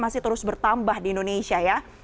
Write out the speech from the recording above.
masih terus bertambah di indonesia ya